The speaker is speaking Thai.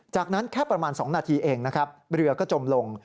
จากนั้นแค่ประมาณ๒นาทีเองนะครับเรือก็จมลง